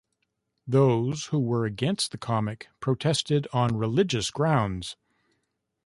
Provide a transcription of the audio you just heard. Those who were against the comic protested on religious grounds.